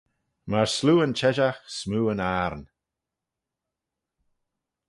Myr sloo yn cheshaght smoo yn ayrn